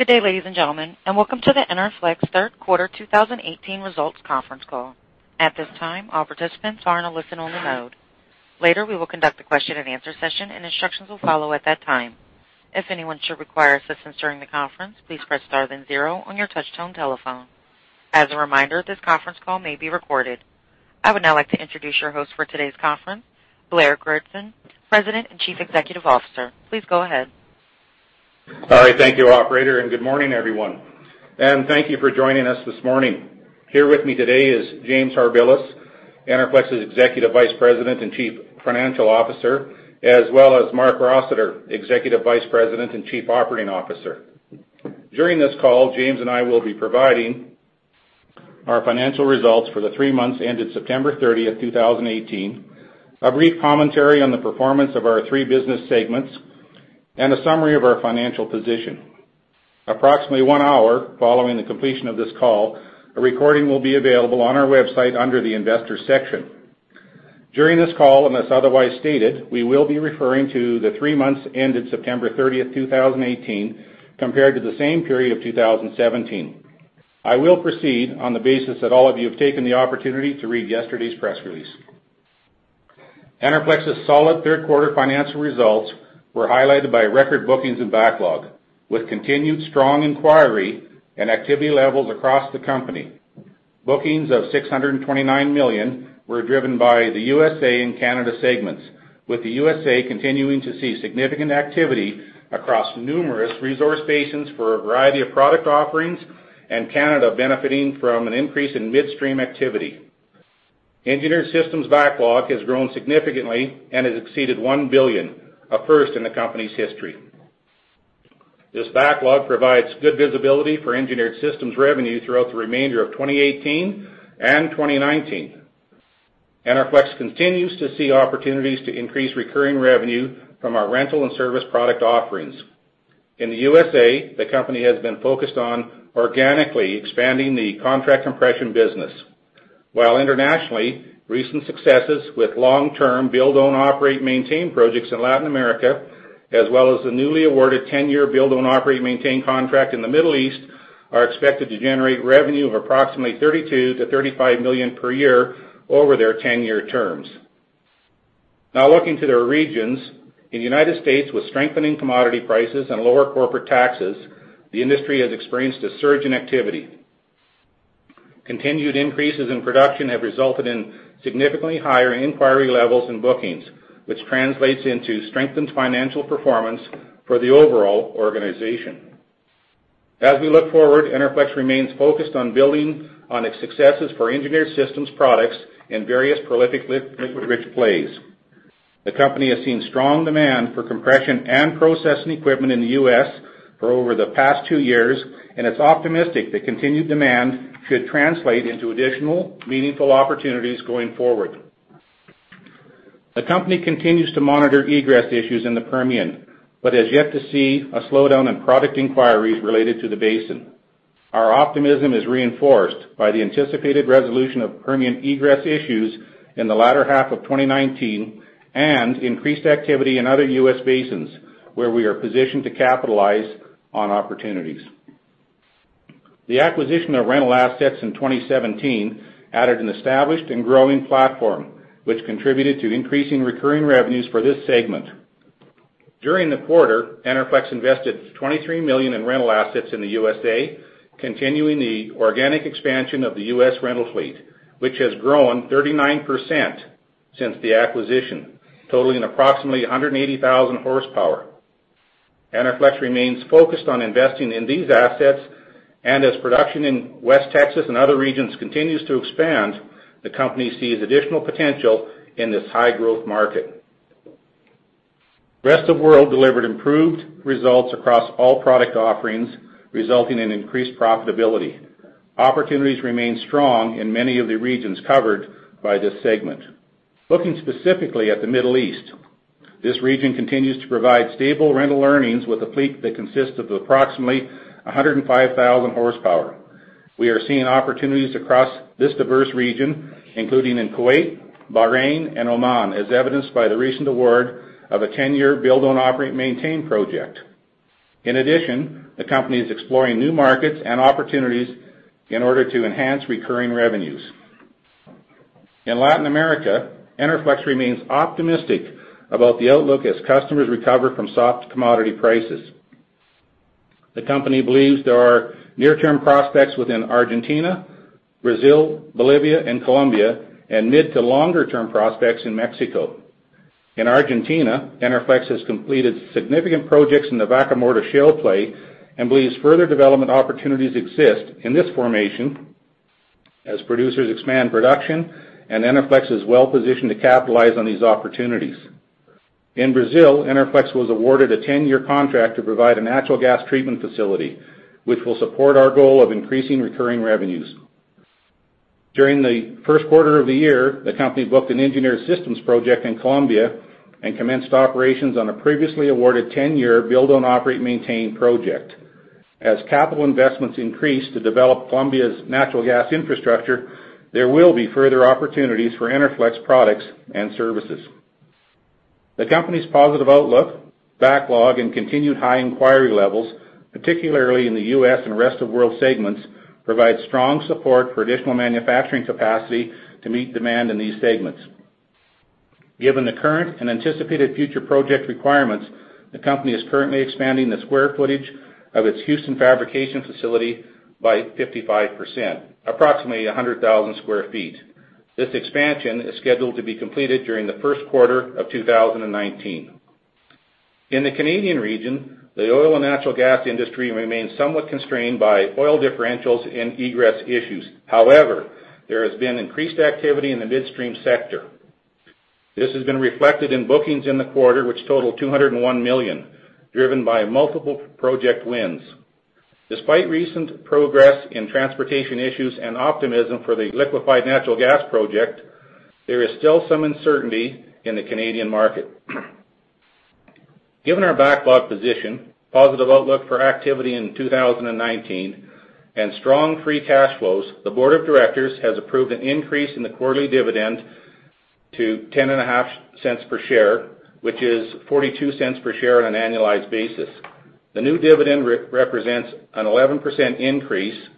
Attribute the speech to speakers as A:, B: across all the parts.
A: Good day, ladies and gentlemen, and welcome to the Enerflex third quarter 2018 results conference call. At this time, all participants are in a listen-only mode. Later, we will conduct a question and answer session, and instructions will follow at that time. If anyone should require assistance during the conference, please press star then zero on your touch-tone telephone. As a reminder, this conference call may be recorded. I would now like to introduce your host for today's conference, Blair Goertzen, President and Chief Executive Officer. Please go ahead.
B: All right. Thank you, operator, and good morning, everyone, and thank you for joining us this morning. Here with me today is James Harbilas, Enerflex's Executive Vice President and Chief Financial Officer, as well as Marc Rossiter, Executive Vice President and Chief Operating Officer. During this call, James and I will be providing our financial results for the three months ended September 30th, 2018, a brief commentary on the performance of our three business segments, and a summary of our financial position. Approximately one hour following the completion of this call, a recording will be available on our website under the investor section. During this call, unless otherwise stated, we will be referring to the three months ended September 30th, 2018, compared to the same period of 2017. I will proceed on the basis that all of you have taken the opportunity to read yesterday's press release. Enerflex's solid third quarter financial results were highlighted by record bookings and backlog, with continued strong inquiry and activity levels across the company. Bookings of 629 million were driven by the USA and Canada segments, with the USA continuing to see significant activity across numerous resource basins for a variety of product offerings and Canada benefiting from an increase in midstream activity. Engineered Systems backlog has grown significantly and has exceeded 1 billion, a first in the company's history. This backlog provides good visibility for Engineered Systems revenue throughout the remainder of 2018 and 2019. Enerflex continues to see opportunities to increase recurring revenue from our rental and service product offerings. In the USA, the company has been focused on organically expanding the contract compression business, while internationally, recent successes with long-term Build-Own-Operate-Maintain projects in Latin America, as well as the newly awarded 10-year Build-Own-Operate-Maintain contract in the Middle East, are expected to generate revenue of approximately 32 million-35 million per year over their 10-year terms. Looking to the regions. In the United States, with strengthening commodity prices and lower corporate taxes, the industry has experienced a surge in activity. Continued increases in production have resulted in significantly higher inquiry levels and bookings, which translates into strengthened financial performance for the overall organization. As we look forward, Enerflex remains focused on building on its successes for Engineered Systems products in various prolific liquid rich plays. The company has seen strong demand for compression and processing equipment in the U.S. for over the past two years, and it's optimistic that continued demand should translate into additional meaningful opportunities going forward. The company continues to monitor egress issues in the Permian but has yet to see a slowdown in product inquiries related to the basin. Our optimism is reinforced by the anticipated resolution of Permian egress issues in the latter half of 2019 and increased activity in other U.S. basins where we are positioned to capitalize on opportunities. The acquisition of rental assets in 2017 added an established and growing platform, which contributed to increasing recurring revenues for this segment. During the quarter, Enerflex invested 23 million in rental assets in the U.S.A., continuing the organic expansion of the U.S. rental fleet, which has grown 39% since the acquisition, totaling approximately 180,000 horsepower. Enerflex remains focused on investing in these assets. As production in West Texas and other regions continues to expand, the company sees additional potential in this high-growth market. Rest of World delivered improved results across all product offerings, resulting in increased profitability. Opportunities remain strong in many of the regions covered by this segment. Looking specifically at the Middle East, this region continues to provide stable rental earnings with a fleet that consists of approximately 105,000 horsepower. We are seeing opportunities across this diverse region, including in Kuwait, Bahrain and Oman, as evidenced by the recent award of a 10-year Build-Own-Operate-Maintain project. In addition, the company is exploring new markets and opportunities in order to enhance recurring revenues. In Latin America, Enerflex remains optimistic about the outlook as customers recover from soft commodity prices. The company believes there are near-term prospects within Argentina, Brazil, Bolivia, and Colombia. Mid to longer-term prospects in Mexico. In Argentina, Enerflex has completed significant projects in the Vaca Muerta shale play and believes further development opportunities exist in this formation as producers expand production. Enerflex is well positioned to capitalize on these opportunities. In Brazil, Enerflex was awarded a 10-year contract to provide a natural gas treatment facility, which will support our goal of increasing recurring revenues. During the first quarter of the year, the company booked an Engineered Systems project in Colombia and commenced operations on a previously awarded 10-year Build-Own-Operate-Maintain project. As capital investments increase to develop Colombia's natural gas infrastructure, there will be further opportunities for Enerflex products and services. The company's positive outlook, backlog, and continued high inquiry levels, particularly in the U.S. and Rest of World segments, provide strong support for additional manufacturing capacity to meet demand in these segments. Given the current and anticipated future project requirements, the company is currently expanding the square footage of its Houston fabrication facility by 55%, approximately 100,000 square feet. This expansion is scheduled to be completed during the first quarter of 2019. In the Canadian region, the oil and natural gas industry remains somewhat constrained by oil differentials and egress issues. However, there has been increased activity in the midstream sector. This has been reflected in bookings in the quarter, which totaled 201 million, driven by multiple project wins. Despite recent progress in transportation issues and optimism for the liquefied natural gas project, there is still some uncertainty in the Canadian market. Given our backlog position, positive outlook for activity in 2019, and strong free cash flows, the board of directors has approved an increase in the quarterly dividend to 0.105 per share, which is 0.42 per share on an annualized basis. The new dividend represents an 11% increase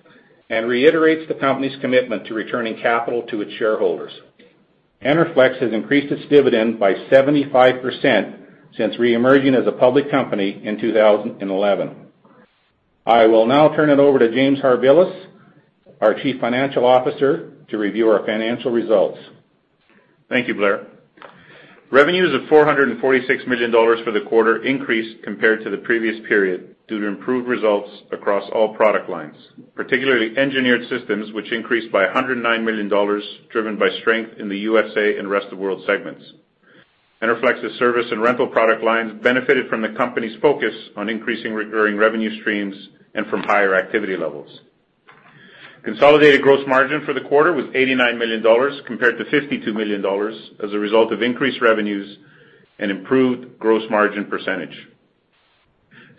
B: and reiterates the company's commitment to returning capital to its shareholders. Enerflex has increased its dividend by 75% since reemerging as a public company in 2011. I will now turn it over to James Harbilas, our Chief Financial Officer, to review our financial results.
C: Thank you, Blair. Revenues of 446 million dollars for the quarter increased compared to the previous period due to improved results across all product lines, particularly Engineered Systems, which increased by 109 million dollars, driven by strength in the U.S.A. and Rest of World segments. Enerflex's service and rental product lines benefited from the company's focus on increasing recurring revenue streams and from higher activity levels. Consolidated gross margin for the quarter was 89 million dollars, compared to 52 million dollars as a result of increased revenues and improved gross margin percentage.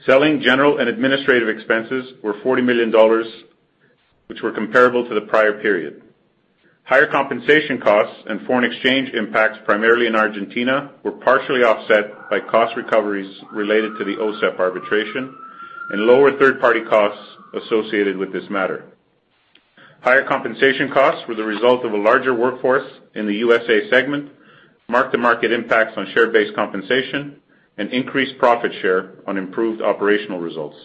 C: Selling, General, and Administrative expenses were 40 million dollars, which were comparable to the prior period. Higher compensation costs and foreign exchange impacts, primarily in Argentina, were partially offset by cost recoveries related to the OCEP arbitration and lower third-party costs associated with this matter. Higher compensation costs were the result of a larger workforce in the U.S.A. segment, mark-to-market impacts on share-based compensation, and increased profit share on improved operational results.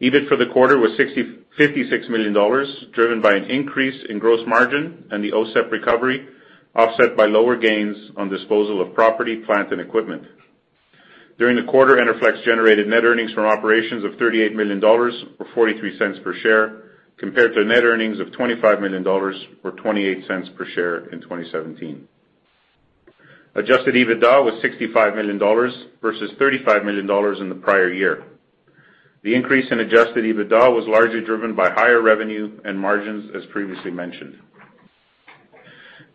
C: EBIT for the quarter was 56 million dollars, driven by an increase in gross margin and the OCEP recovery, offset by lower gains on disposal of property, plant, and equipment. During the quarter, Enerflex generated net earnings from operations of 38 million dollars, or 0.43 per share, compared to net earnings of 25 million dollars or 0.28 per share in 2017. Adjusted EBITDA was 65 million dollars versus 35 million dollars in the prior year. The increase in adjusted EBITDA was largely driven by higher revenue and margins, as previously mentioned.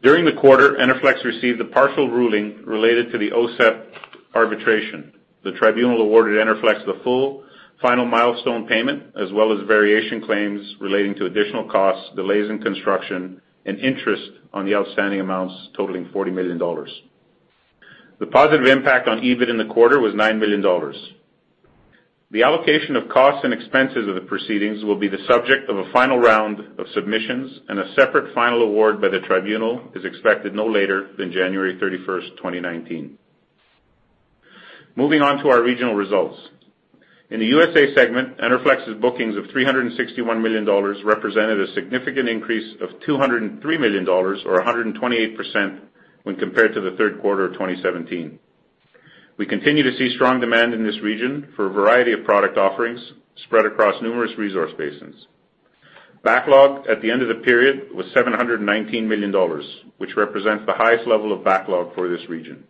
C: During the quarter, Enerflex received a partial ruling related to the OCEP arbitration. The tribunal awarded Enerflex the full final milestone payment, as well as variation claims relating to additional costs, delays in construction, and interest on the outstanding amounts totaling 40 million dollars. The positive impact on EBIT in the quarter was 9 million dollars. The allocation of costs and expenses of the proceedings will be the subject of a final round of submissions, and a separate final award by the tribunal is expected no later than January 31st, 2019. Moving on to our regional results. In the U.S.A. segment, Enerflex's bookings of 361 million dollars represented a significant increase of 203 million dollars, or 128%, when compared to the third quarter of 2017. We continue to see strong demand in this region for a variety of product offerings spread across numerous resource basins. Backlog at the end of the period was 719 million dollars, which represents the highest level of backlog for this region.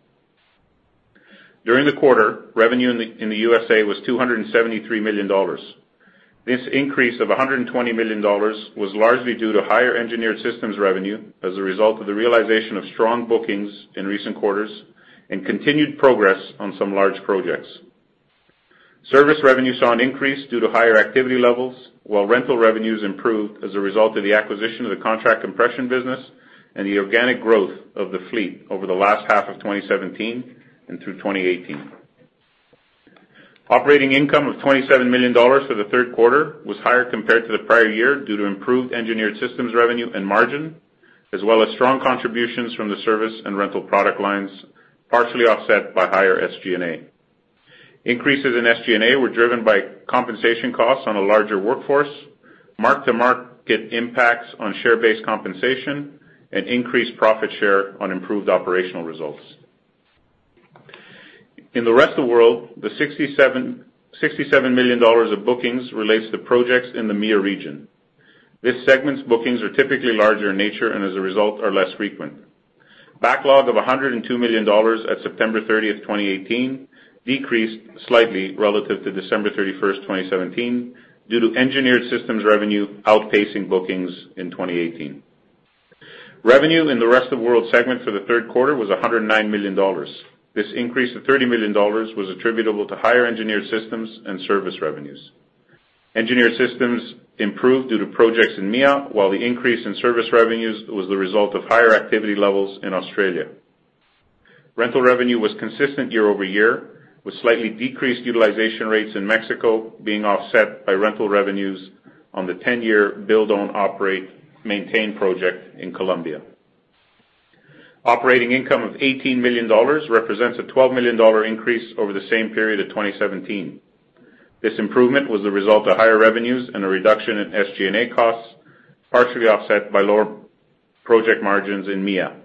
C: During the quarter, revenue in the U.S.A. was 273 million dollars. This increase of 120 million dollars was largely due to higher Engineered Systems revenue as a result of the realization of strong bookings in recent quarters and continued progress on some large projects. Service revenue saw an increase due to higher activity levels, while rental revenues improved as a result of the acquisition of the contract compression business and the organic growth of the fleet over the last half of 2017 and through 2018. Operating income of 27 million dollars for the third quarter was higher compared to the prior year due to improved Engineered Systems revenue and margin, as well as strong contributions from the service and rental product lines, partially offset by higher SG&A. Increases in SG&A were driven by compensation costs on a larger workforce, mark-to-market impacts on share-based compensation, and increased profit share on improved operational results. In the Rest of World, the 67 million dollars of bookings relates to projects in the MENA region. This segment's bookings are typically larger in nature and, as a result, are less frequent. Backlog of 102 million dollars at September 30, 2018, decreased slightly relative to December 31, 2017, due to Engineered Systems revenue outpacing bookings in 2018. Revenue in the Rest of World segment for the third quarter was 109 million dollars. This increase of 30 million dollars was attributable to higher Engineered Systems and service revenues. Engineered Systems improved due to projects in MENA, while the increase in service revenues was the result of higher activity levels in Australia. Rental revenue was consistent year-over-year, with slightly decreased utilization rates in Mexico being offset by rental revenues on the 10-year Build-Own-Operate-Maintain project in Colombia. Operating income of 18 million dollars represents a 12 million dollar increase over the same period of 2017. This improvement was the result of higher revenues and a reduction in SG&A costs, partially offset by lower project margins in MENA.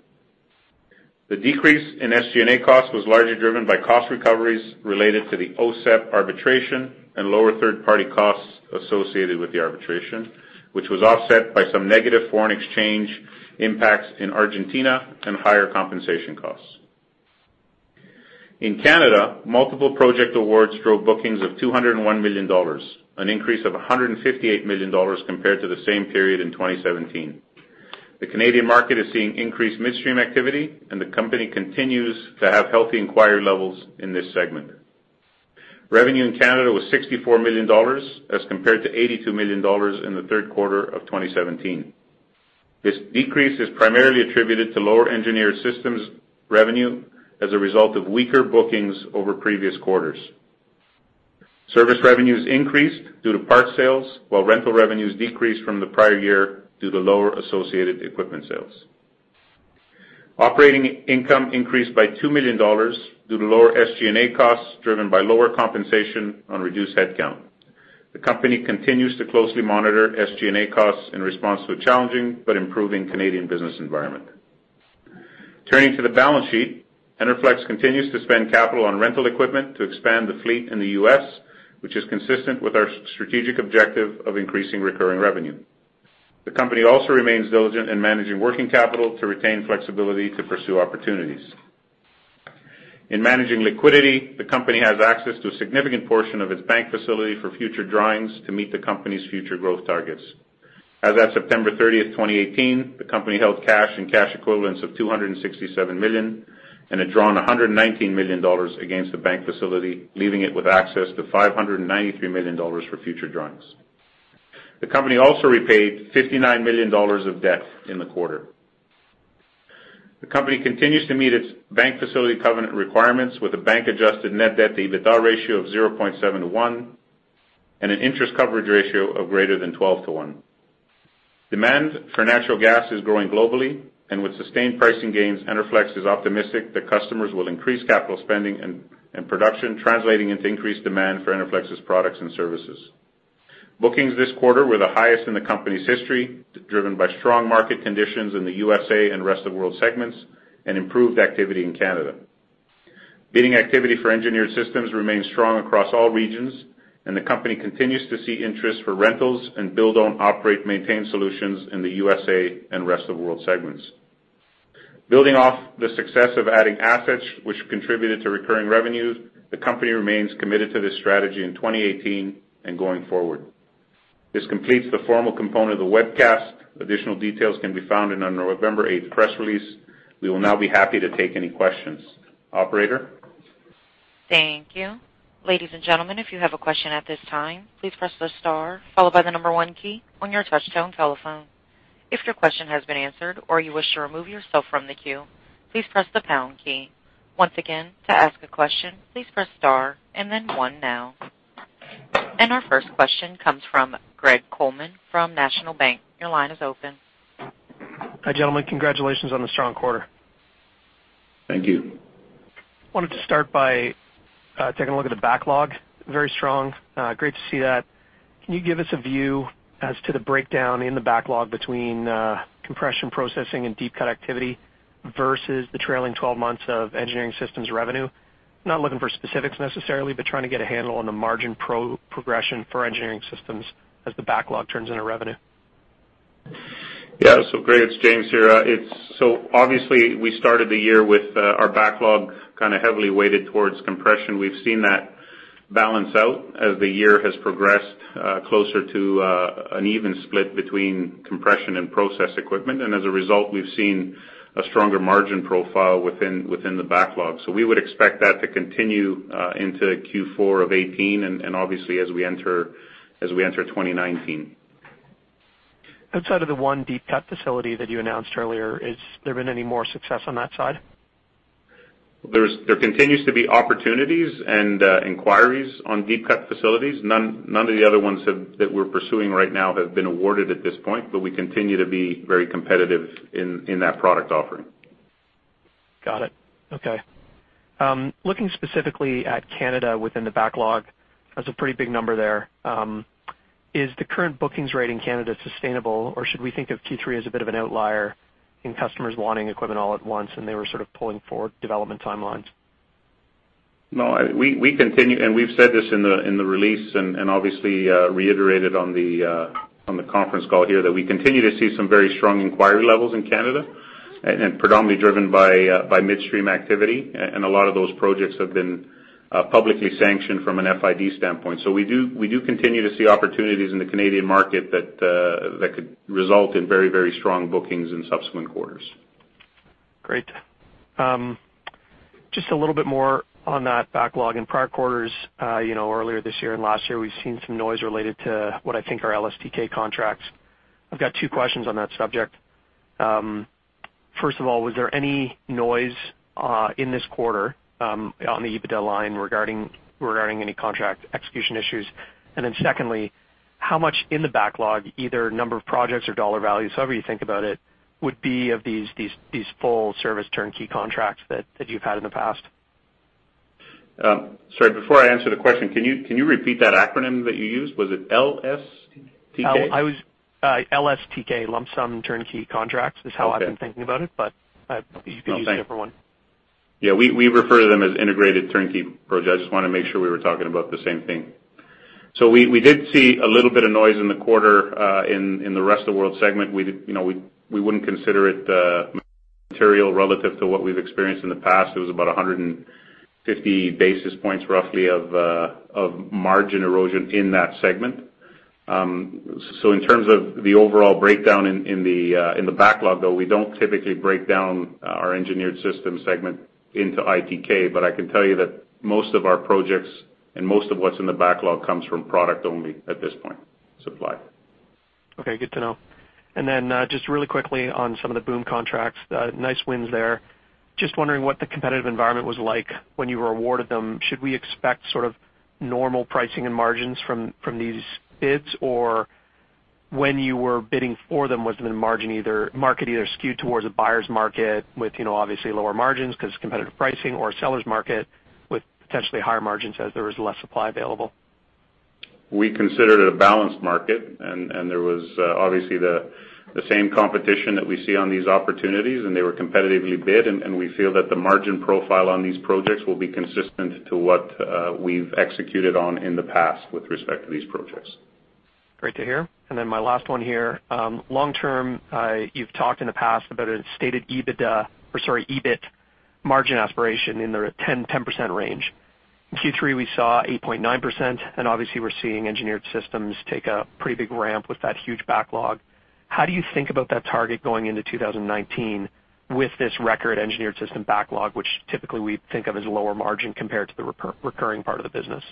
C: The decrease in SG&A costs was largely driven by cost recoveries related to the OCEP arbitration and lower third-party costs associated with the arbitration, which was offset by some negative foreign exchange impacts in Argentina and higher compensation costs. In Canada, multiple project awards drove bookings of 201 million dollars, an increase of 158 million dollars compared to the same period in 2017. The Canadian market is seeing increased midstream activity, and the company continues to have healthy inquiry levels in this segment. Revenue in Canada was 64 million dollars as compared to 82 million dollars in the third quarter of 2017. This decrease is primarily attributed to lower Engineered Systems revenue as a result of weaker bookings over previous quarters. Service revenues increased due to parts sales, while rental revenues decreased from the prior year due to lower associated equipment sales. Operating income increased by 2 million dollars due to lower SG&A costs driven by lower compensation on reduced headcount. The company continues to closely monitor SG&A costs in response to a challenging but improving Canadian business environment. Turning to the balance sheet, Enerflex continues to spend capital on rental equipment to expand the fleet in the U.S., which is consistent with our strategic objective of increasing recurring revenue. The company also remains diligent in managing working capital to retain flexibility to pursue opportunities. In managing liquidity, the company has access to a significant portion of its bank facility for future drawings to meet the company's future growth targets. As at September 30th, 2018, the company held cash and cash equivalents of 267 million and had drawn 119 million dollars against the bank facility, leaving it with access to 593 million dollars for future drawings. The company also repaid 59 million dollars of debt in the quarter. The company continues to meet its bank facility covenant requirements with a bank-adjusted net debt-to-EBITDA ratio of 0.7 to 1 and an interest coverage ratio of greater than 12 to 1. Demand for natural gas is growing globally, with sustained pricing gains, Enerflex is optimistic that customers will increase capital spending and production, translating into increased demand for Enerflex's products and services. Bookings this quarter were the highest in the company's history, driven by strong market conditions in the USA and Rest of World segments and improved activity in Canada. Bidding activity for Engineered Systems remains strong across all regions, the company continues to see interest for rentals and Build-Own-Operate-Maintain solutions in the USA and Rest of World segments. Building off the success of adding assets which contributed to recurring revenues, the company remains committed to this strategy in 2018 and going forward. This completes the formal component of the webcast. Additional details can be found in our November 8th press release. We will now be happy to take any questions. Operator?
A: Thank you. Ladies and gentlemen, if you have a question at this time, please press the star followed by the number one key on your touch-tone telephone. If your question has been answered or you wish to remove yourself from the queue, please press the pound key. Once again, to ask a question, please press star and then one now. Our first question comes from Greg Colman from National Bank. Your line is open.
D: Hi, gentlemen. Congratulations on the strong quarter.
C: Thank you.
D: Wanted to start by taking a look at the backlog. Very strong. Great to see that. Can you give us a view as to the breakdown in the backlog between compression processing and deep cut activity versus the trailing 12 months of Engineered Systems revenue? Not looking for specifics necessarily, but trying to get a handle on the margin progression for Engineered Systems as the backlog turns into revenue.
C: Greg, it's James here. Obviously we started the year with our backlog kind of heavily weighted towards compression. We've seen that balance out as the year has progressed closer to an even split between compression and process equipment, and as a result, we've seen a stronger margin profile within the backlog. We would expect that to continue into Q4 of 2018 and obviously as we enter 2019.
D: Outside of the one deep cut facility that you announced earlier, has there been any more success on that side?
C: There continues to be opportunities and inquiries on deep cut facilities. None of the other ones that we're pursuing right now have been awarded at this point, but we continue to be very competitive in that product offering.
D: Got it. Okay. Looking specifically at Canada within the backlog, that's a pretty big number there. Is the current bookings rate in Canada sustainable, or should we think of Q3 as a bit of an outlier in customers wanting equipment all at once and they were sort of pulling forward development timelines?
C: We continue, and we've said this in the release and obviously reiterated on the conference call here, that we continue to see some very strong inquiry levels in Canada and predominantly driven by midstream activity and a lot of those projects have been publicly sanctioned from an FID standpoint. We do continue to see opportunities in the Canadian market that could result in very strong bookings in subsequent quarters.
D: Great. Just a little bit more on that backlog. In prior quarters, earlier this year and last year, we've seen some noise related to what I think are LSTK contracts. I've got two questions on that subject. First of all, was there any noise in this quarter on the EBITDA line regarding any contract execution issues? Secondly, how much in the backlog, either number of projects or dollar value, however you think about it, would be of these full service turnkey contracts that you've had in the past?
C: Sorry, before I answer the question, can you repeat that acronym that you used? Was it LSTK?
D: LSTK, Lump-Sum Turnkey contracts is how I've been thinking about it, but you could use a different one.
C: Yeah, we refer to them as integrated turnkey projects. I just want to make sure we were talking about the same thing. We did see a little bit of noise in the quarter, in the rest of the world segment. We wouldn't consider it material relative to what we've experienced in the past. It was about 150 basis points, roughly of margin erosion in that segment. In terms of the overall breakdown in the backlog, though, we don't typically break down our Engineered Systems segment into ITK. I can tell you that most of our projects and most of what's in the backlog comes from product only at this point, supply.
D: Okay, good to know. Then, just really quickly on some of the BOOM contracts, nice wins there. Just wondering what the competitive environment was like when you were awarded them. Should we expect sort of normal pricing and margins from these bids? Or when you were bidding for them, was the market either skewed towards a buyer's market with obviously lower margins because competitive pricing or seller's market with potentially higher margins as there was less supply available?
C: We considered it a balanced market, there was obviously the same competition that we see on these opportunities, they were competitively bid, we feel that the margin profile on these projects will be consistent to what we've executed on in the past with respect to these projects.
D: Great to hear. My last one here. Long term, you've talked in the past about a stated EBIT margin aspiration in the 10% range. In Q3, we saw 8.9%, obviously we're seeing Engineered Systems take a pretty big ramp with that huge backlog. How do you think about that target going into 2019 with this record Engineered Systems backlog, which typically we think of as lower margin compared to the recurring part of the business?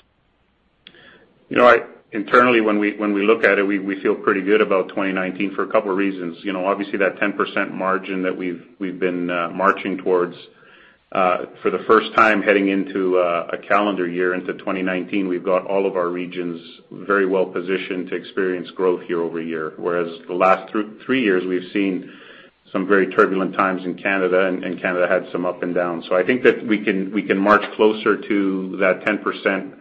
C: Internally, when we look at it, we feel pretty good about 2019 for a couple of reasons. Obviously that 10% margin that we've been marching towards, for the first time heading into a calendar year into 2019, we've got all of our regions very well positioned to experience growth year-over-year. Whereas the last three years, we've seen some very turbulent times in Canada had some up and downs. I think that we can march closer to that 10%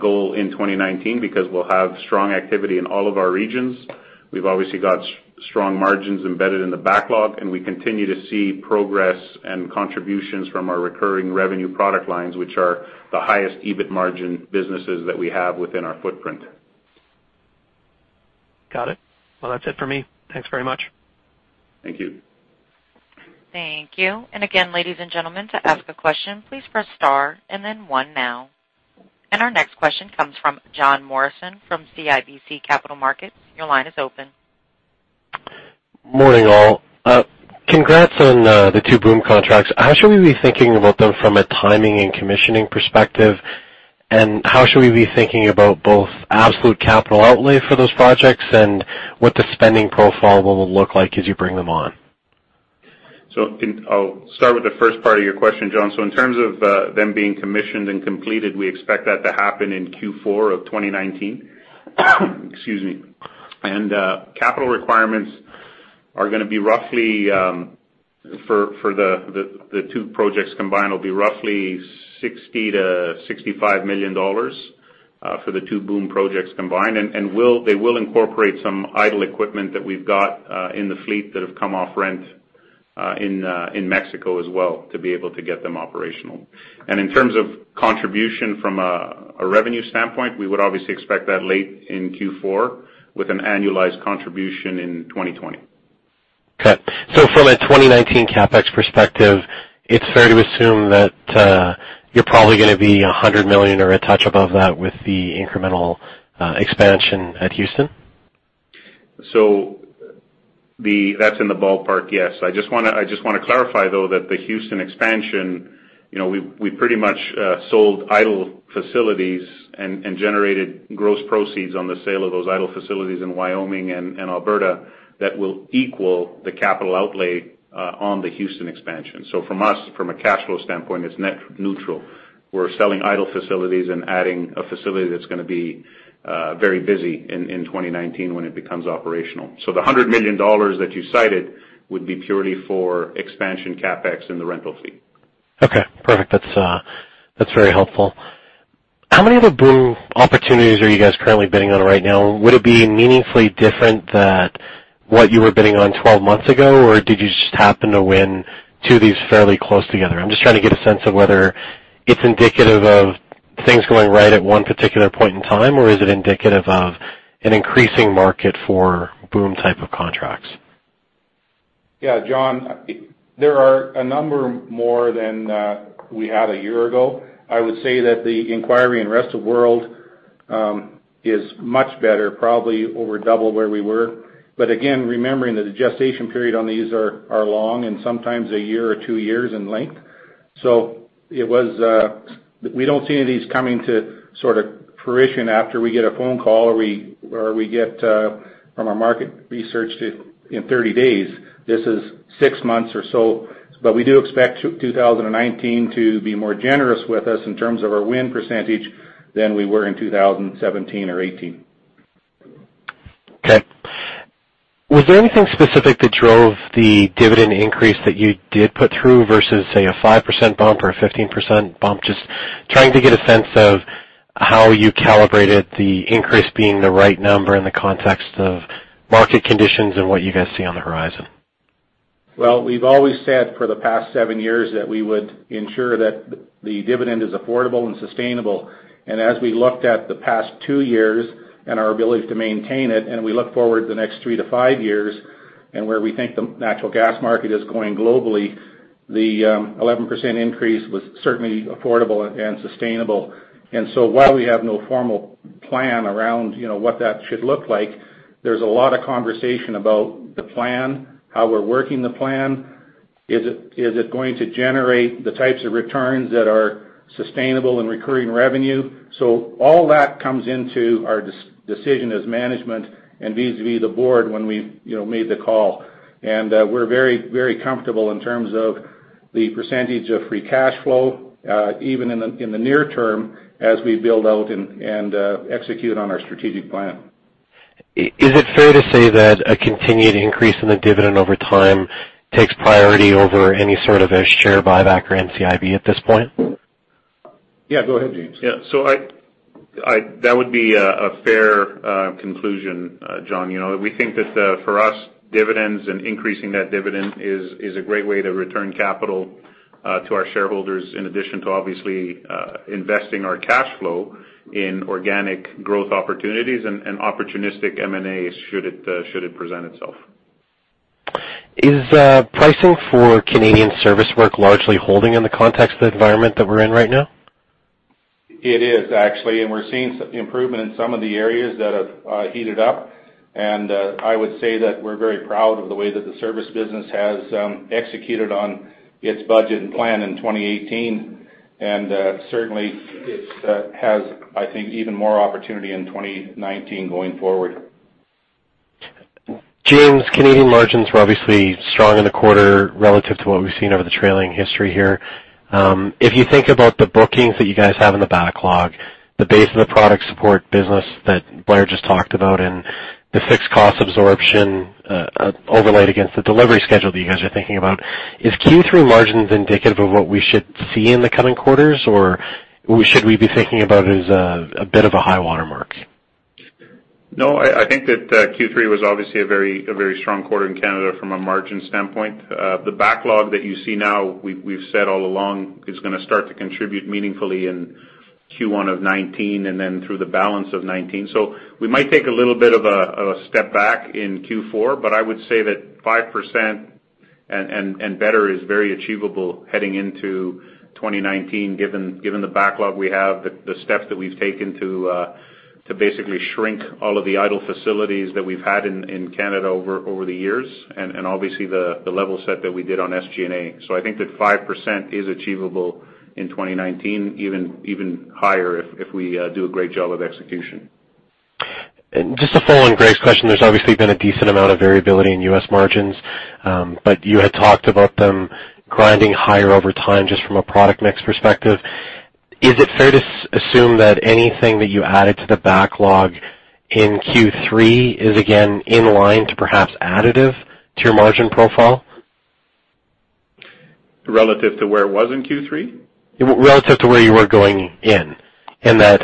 C: goal in 2019 because we'll have strong activity in all of our regions. We've obviously got strong margins embedded in the backlog, we continue to see progress and contributions from our recurring revenue product lines, which are the highest EBIT margin businesses that we have within our footprint.
D: Got it. Well, that's it for me. Thanks very much.
C: Thank you.
A: Thank you. Again, ladies and gentlemen, to ask a question, please press star and then one now. Our next question comes from Jon Morrison from CIBC Capital Markets. Your line is open.
E: Morning, all. Congrats on the two BOOM contracts. How should we be thinking about them from a timing and commissioning perspective? How should we be thinking about both absolute capital outlay for those projects and what the spending profile will look like as you bring them on?
C: I'll start with the first part of your question, Jon. In terms of them being commissioned and completed, we expect that to happen in Q4 of 2019. Excuse me. Capital requirements are gonna be roughly for the two projects combined will be roughly 60 million-65 million dollars for the two BOOM projects combined. They will incorporate some idle equipment that we've got in the fleet that have come off rent in Mexico as well to be able to get them operational. In terms of contribution from a revenue standpoint, we would obviously expect that late in Q4 with an annualized contribution in 2020.
E: Okay. From a 2019 CapEx perspective, it's fair to assume that you're probably going to be 100 million or a touch above that with the incremental expansion at Houston?
C: That's in the ballpark, yes. I just want to clarify though that the Houston expansion, we pretty much sold idle facilities and generated gross proceeds on the sale of those idle facilities in Wyoming and Alberta that will equal the capital outlay on the Houston expansion. From us, from a cash flow standpoint, it's net neutral. We're selling idle facilities and adding a facility that's going to be very busy in 2019 when it becomes operational. The 100 million dollars that you cited would be purely for expansion CapEx and the rental fee.
E: Okay, perfect. That's very helpful. How many other BOOM opportunities are you guys currently bidding on right now? Would it be meaningfully different that what you were bidding on 12 months ago, or did you just happen to win two of these fairly close together? I'm just trying to get a sense of whether it's indicative of things going right at one particular point in time, or is it indicative of an increasing market for BOOM type of contracts?
B: Yeah, Jon, there are a number more than we had a year ago. I would say that the inquiry in Rest of World. It is much better, probably over double where we were. Again, remembering that the gestation period on these are long and sometimes a year or two years in length. We don't see any of these coming to fruition after we get a phone call or we get from our market research in 30 days. This is six months or so, but we do expect 2019 to be more generous with us in terms of our win percentage than we were in 2017 or 2018.
E: Okay. Was there anything specific that drove the dividend increase that you did put through versus, say, a 5% bump or a 15% bump? Just trying to get a sense of how you calibrated the increase being the right number in the context of market conditions and what you guys see on the horizon.
B: Well, we've always said for the past seven years that we would ensure that the dividend is affordable and sustainable. As we looked at the past two years and our ability to maintain it, and we look forward the next three to five years and where we think the natural gas market is going globally, the 11% increase was certainly affordable and sustainable. While we have no formal plan around what that should look like, there's a lot of conversation about the plan, how we're working the plan. Is it going to generate the types of returns that are sustainable and recurring revenue? All that comes into our decision as management and vis-a-vis the board when we made the call. We're very comfortable in terms of the percentage of free cash flow, even in the near term as we build out and execute on our strategic plan.
E: Is it fair to say that a continued increase in the dividend over time takes priority over any sort of a share buyback or NCIB at this point?
B: Yeah, go ahead, James.
C: Yeah. That would be a fair conclusion, Jon. We think that for us, dividends and increasing that dividend is a great way to return capital to our shareholders, in addition to obviously investing our cash flow in organic growth opportunities and opportunistic M&As should it present itself.
E: Is pricing for Canadian service work largely holding in the context of the environment that we're in right now?
B: It is, actually, we're seeing improvement in some of the areas that have heated up. I would say that we're very proud of the way that the service business has executed on its budget and plan in 2018. Certainly it has, I think, even more opportunity in 2019 going forward.
E: James, Canadian margins were obviously strong in the quarter relative to what we've seen over the trailing history here. If you think about the bookings that you guys have in the backlog, the base of the product support business that Blair just talked about, and the fixed cost absorption overlaid against the delivery schedule that you guys are thinking about, is Q3 margins indicative of what we should see in the coming quarters, or should we be thinking about it as a bit of a high watermark?
C: No, I think that Q3 was obviously a very strong quarter in Canada from a margin standpoint. The backlog that you see now, we've said all along, is going to start to contribute meaningfully in Q1 of 2019 and then through the balance of 2019. We might take a little bit of a step back in Q4, but I would say that 5% and better is very achievable heading into 2019 given the backlog we have, the steps that we've taken to basically shrink all of the idle facilities that we've had in Canada over the years, and obviously the level set that we did on SG&A. I think that 5% is achievable in 2019, even higher if we do a great job of execution.
E: Just to follow on Greg's question, there's obviously been a decent amount of variability in U.S. margins, but you had talked about them grinding higher over time just from a product mix perspective. Is it fair to assume that anything that you added to the backlog in Q3 is again in line to perhaps additive to your margin profile?
C: Relative to where it was in Q3?
E: Relative to where you were going in, and that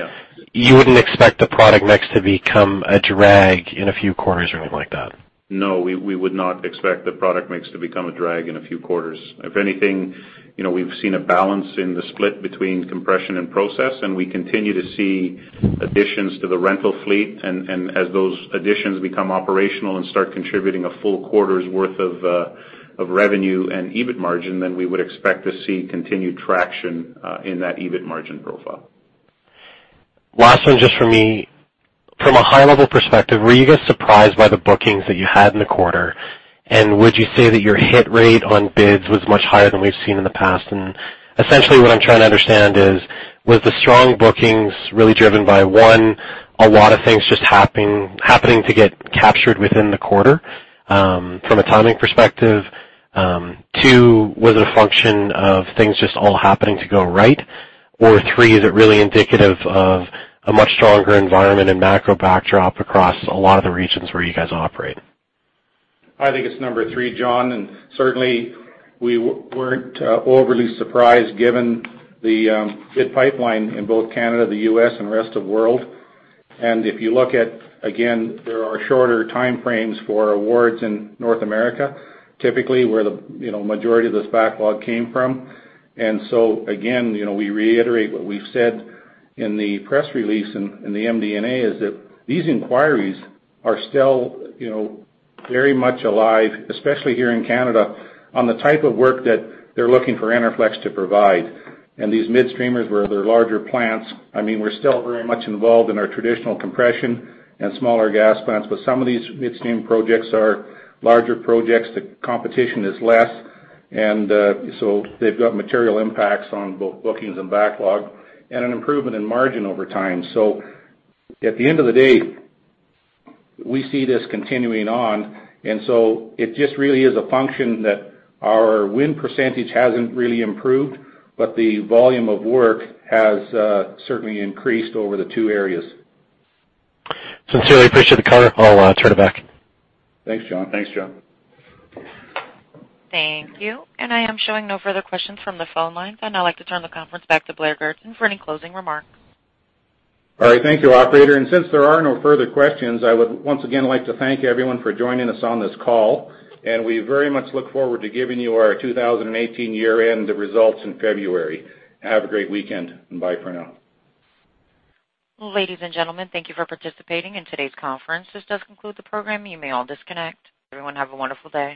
E: you wouldn't expect the product mix to become a drag in a few quarters or anything like that.
C: No, we would not expect the product mix to become a drag in a few quarters. If anything, we've seen a balance in the split between compression and process. We continue to see additions to the rental fleet. As those additions become operational and start contributing a full quarter's worth of revenue and EBIT margin, we would expect to see continued traction in that EBIT margin profile.
E: Last one, just from me. From a high-level perspective, were you guys surprised by the bookings that you had in the quarter? Would you say that your hit rate on bids was much higher than we've seen in the past? Essentially, what I'm trying to understand is, was the strong bookings really driven by, one, a lot of things just happening to get captured within the quarter from a timing perspective? Two, was it a function of things just all happening to go right? Three, is it really indicative of a much stronger environment and macro backdrop across a lot of the regions where you guys operate?
B: I think it's number three, Jon, certainly we weren't overly surprised given the bid pipeline in both Canada, the U.S., and Rest of World. If you look at, again, there are shorter time frames for awards in North America, typically where the majority of this backlog came from. Again, we reiterate what we've said in the press release and the MD&A is that these inquiries are still very much alive, especially here in Canada, on the type of work that they're looking for Enerflex to provide. These midstreamers where there are larger plants, we're still very much involved in our traditional compression and smaller gas plants, some of these midstream projects are larger projects. The competition is less, they've got material impacts on both bookings and backlog and an improvement in margin over time. At the end of the day, we see this continuing on, it just really is a function that our win percentage hasn't really improved, but the volume of work has certainly increased over the two areas.
E: Sincerely appreciate the color. I'll turn it back.
B: Thanks, Jon.
C: Thanks, Jon.
A: Thank you. I am showing no further questions from the phone lines. I'd now like to turn the conference back to Blair Goertzen for any closing remarks.
B: All right. Thank you, operator. Since there are no further questions, I would once again like to thank everyone for joining us on this call, and we very much look forward to giving you our 2018 year-end results in February. Have a great weekend, and bye for now.
A: Ladies and gentlemen, thank you for participating in today's conference. This does conclude the program. You may all disconnect. Everyone have a wonderful day.